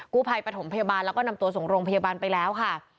กู้ภัยปฐมพยาบาลแล้วก็นำตัวส่งโรงพยาบาลไปแล้วค่ะ